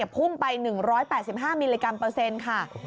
พุ่งไป๑๘๕มิลลิกรัมเปอร์เซ็นต์ค่ะ